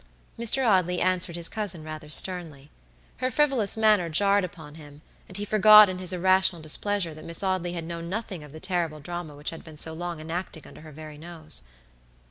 Mr. Audley answered his cousin rather sternly. Her frivolous manner jarred upon him, and he forgot in his irrational displeasure that Miss Audley had known nothing of the terrible drama which had been so long enacting under her very nose.